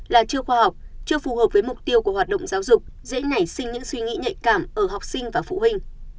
là chưa khoa học chưa phù hợp với mục tiêu của hoạt động giáo dục dễ nảy sinh những suy nghĩ nhạy cảm ở học sinh và phụ huynh